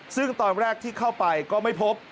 ซึ่งตอนแรกที่เข้าไปก็ไม่พบ